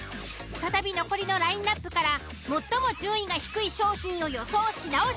再び残りのラインアップから最も順位が低い商品を予想し直します。